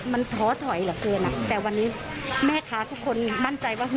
มันท้อถอยเหลือเกินแต่วันนี้แม่ค้าทุกคนมั่นใจว่า